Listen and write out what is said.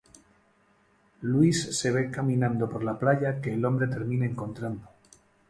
Lewis se ve caminando por la playa que el hombre termina encontrando.